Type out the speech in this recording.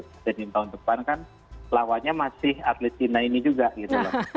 presiden tahun depan kan lawannya masih atlet cina ini juga gitu loh